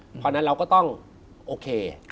เพราะฉะนั้นเราก็ต้องโอเค